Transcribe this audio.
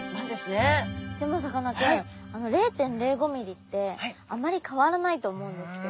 でもさかなクン０．０５ｍｍってあまり変わらないと思うんですけど。